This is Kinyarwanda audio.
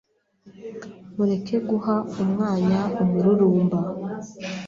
mureke guha umwanya umururumba,